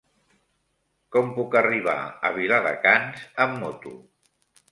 Com puc arribar a Viladecans amb moto?